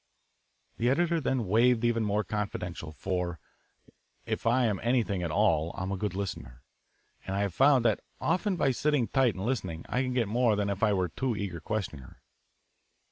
The editor then waged even more confidential, for if I am anything at all, I am a good listener, and I have found that often by sitting tight and listening I can get more than if I were a too eager questioner.